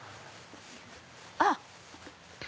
あっ！